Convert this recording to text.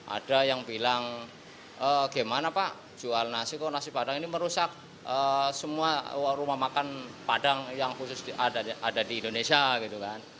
ada yang bilang gimana pak jual nasi kok nasi padang ini merusak semua rumah makan padang yang khusus ada di indonesia gitu kan